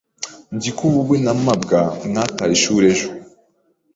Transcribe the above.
Nzi ko wowe na mabwa mwataye ishuri ejo.